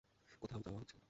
কোথাও যাওয়া হচ্ছে?